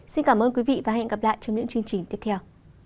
xin cảm ơn quý vị và hẹn gặp lại trong những chương trình tiếp theo